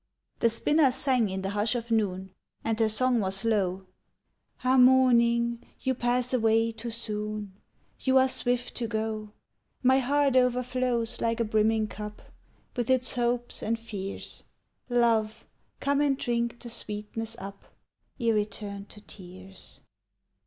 The spinner sang in the hush of noon And her song was low: "Ah, morning, you pass away too soon, You are swift to go. My heart o'erflows like a brimming cup With its hopes and fears. Love, come and drink the sweetness up Ere it turn to tears."